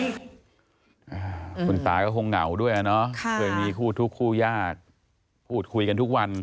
อ้าวคุณตาก็คงเหงาด้วยนะมีคู่ทุกคู่ญาติคุยกันทุกวัน